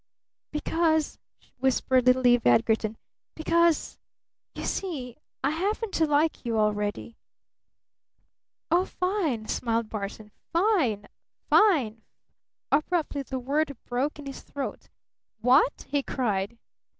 "Because," whispered little Eve Edgarton, "because you see I happen to like you already." "Oh, fine!" smiled Barton. "Fine! Fine! Fi " Abruptly the word broke in his throat. "What?" he cried.